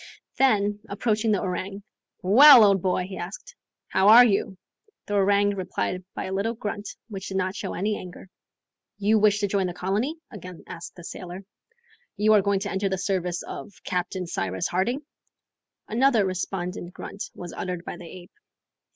Then, approaching the orang, "Well, old boy!" he asked, "how are you?" The orang replied by a little grunt which did not show any anger. "You wish to join the colony?" again asked the sailor. "You are going to enter the service of Captain Cyrus Harding?" Another respondent grunt was uttered by the ape.